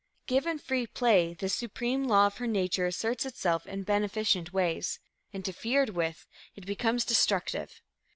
Given free play, this supreme law of her nature asserts itself in beneficent ways; interfered with, it becomes destructive.